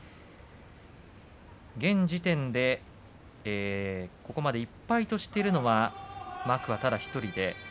現時点でここまで１敗としているのは天空海ただ１人です。